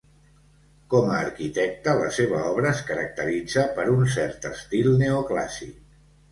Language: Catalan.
Com a arquitecte la seva obra es caracteritza per un cert estil neoclàssic.